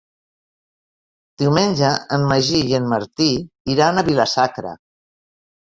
Diumenge en Magí i en Martí iran a Vila-sacra.